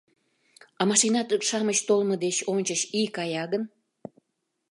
— А машина-шамыч толмо деч ончыч ий кая гын